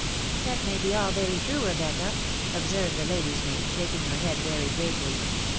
" That may be all very true, Rebecca/' observed the lady's maid, shaking her head very gravely.